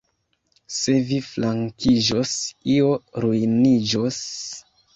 Se vi flankiĝos, io ruiniĝos!